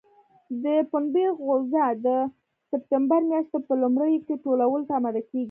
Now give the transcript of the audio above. د پنبې غوزه د سپټمبر میاشتې په لومړیو کې ټولولو ته اماده کېږي.